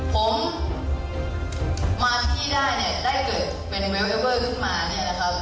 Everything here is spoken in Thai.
ผมมาที่ได้เนี่ยได้เกิดเป็นเวลเลเวอร์ขึ้นมาเนี่ยนะครับ